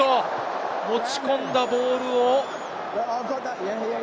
持ち込んだボールを。